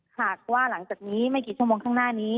หากว่าหลังจากนี้ไม่กี่ชั่วโมงข้างหน้านี้